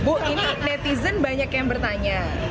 bu ini netizen banyak yang bertanya